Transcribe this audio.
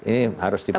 ini harus di prioritas